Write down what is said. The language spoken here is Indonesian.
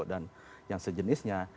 dan yang sejenisnya